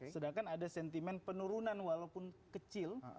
sedangkan ada sentimen penurunan walaupun kecil